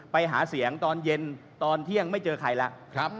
ไปหาเสียงตอนเย็นตอนเที่ยงไม่เจอใครแล้ว